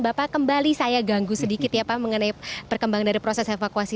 bapak kembali saya ganggu sedikit ya pak mengenai perkembangan dari proses evakuasi